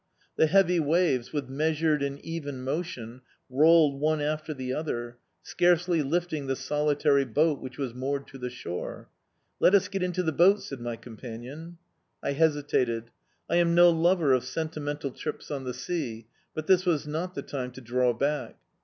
The heavy waves, with measured and even motion, rolled one after the other, scarcely lifting the solitary boat which was moored to the shore. "Let us get into the boat," said my companion. I hesitated. I am no lover of sentimental trips on the sea; but this was not the time to draw back.